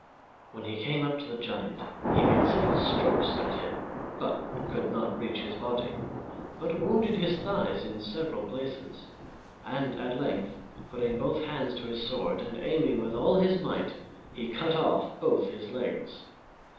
When he came up to the Giant he made several strokes at him, but could not reach his body, but wounded his thighs in several places; and at length, putting both hands to his sword and aiming with all his might, he cut off both his legs.